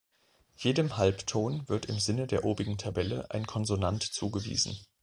Jedem Halbton wird im Sinne der obigen Tabelle ein Konsonant zugewiesen.